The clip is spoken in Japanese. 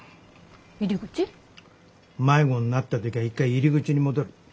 迷子になった時は一回入り口に戻る。